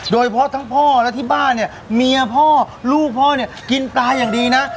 โดยเฉพาะทั้งพ่อและที่บ้านเนี่ยเมียพ่อลูกพ่อเนี่ยกินปลาอย่างดีนะ